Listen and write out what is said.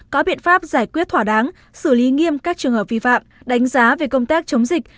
có biện pháp giải quyết thỏa đáng xử lý nghiêm các trường hợp vi phạm đánh giá về công tác chống dịch